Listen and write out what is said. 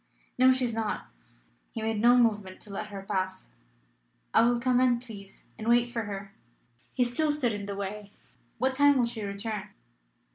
"No; she is not." He made no movement to let her pass. "I will come in, please, and wait for her." He still stood in the way. "What time will she return?"